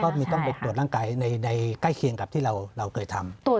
ต้องไปตรวจร่างกายในใกล้เคียงกับที่เราเคยทำ